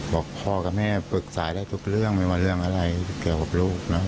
บอกพ่อกับแม่ปรึกษาได้ทุกเรื่องไม่ว่าเรื่องอะไรเกี่ยวกับลูกนะ